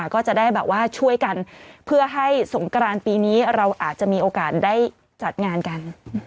ก็จะได้แบบว่าช่วยกันเพื่อให้สงกรานปีนี้เราอาจจะมีโอกาสได้จัดงานกัน